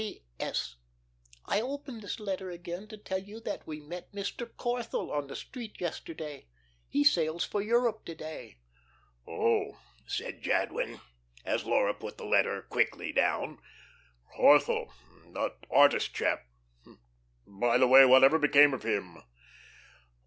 "'P.S. I open this letter again to tell you that we met Mr. Corthell on the street yesterday. He sails for Europe to day.'" "Oh," said Jadwin, as Laura put the letter quickly down, "Corthell that artist chap. By the way, whatever became of him?"